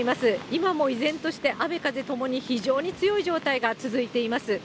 今も依然として、雨、風ともに非常に強い状態が続いています。